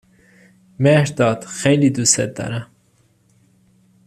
مهرداد خیلی دوستت دارم.